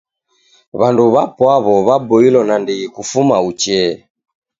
W'andu w'apwaw'o w'aboilo nandighi kufuma uchee.